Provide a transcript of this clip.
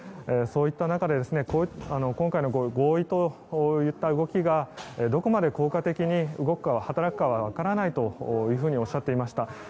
そういった中で今回の合意といった動きがどこまで効果的に働くかはわからないとおっしゃっていました。